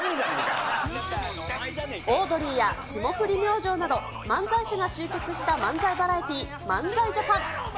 オードリーや霜降り明星など、漫才師が集結した漫才バラエティ、漫才ＪＡＰＡＮ。